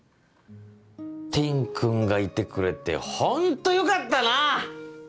天くんがいてくれてホントよかったな！